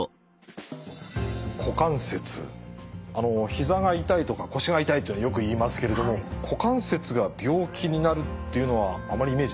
ひざが痛いとか腰が痛いというのよく言いますけれども股関節が病気になるっていうのはあまりイメージないですね。